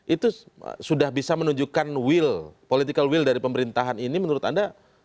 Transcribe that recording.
itu sudah bisa menunjukkan will political will dari pemerintahan ini menurut anda